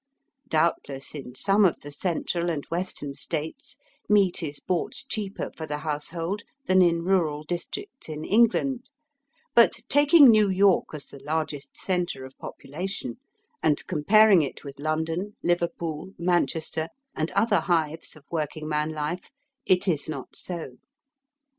Doubtless in some of the Central and Western States meat is bought cheaper for the household than in rural districts in England ; but, taking New York as the largest centre of population, and comparing it with London, Liverpool, Man chester, and other hives of working man life, it is not so.